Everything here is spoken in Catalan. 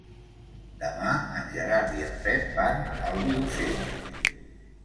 Demà en Gerard i en Pep van al Vilosell.